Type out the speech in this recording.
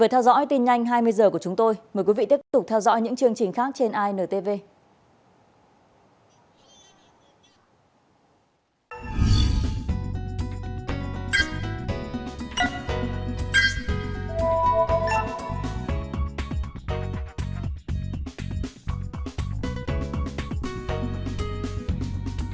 hãy đăng ký kênh để ủng hộ kênh của chúng tôi